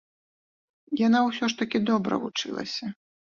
Яна ўсё ж такі добра вучылася.